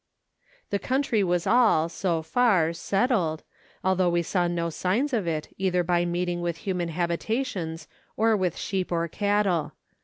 The country was all, so far, settled, although we saw no signs of it, either by meeting with human habitations or with sheep or cattle.